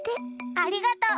ありがとう。